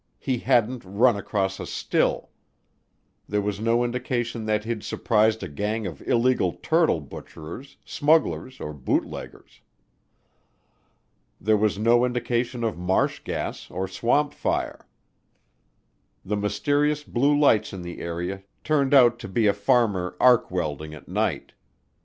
He hadn't run across a still. There was no indication that he'd surprised a gang of illegal turtle butcherers, smugglers, or bootleggers. There was no indication of marsh gas or swamp fire. The mysterious blue lights in the area turned out to be a farmer arc welding at night.